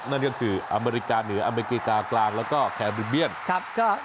นั่นก็คืออเมริกาเหนืออเมริกากลางแล้วก็แคบิเบียนครับ